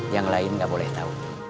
yang lain nggak boleh tahu